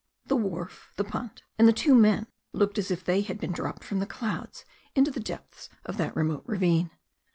The wharf, the punt, and the two men looked as if they had been dropped from the clouds into the depths of that remote ravine.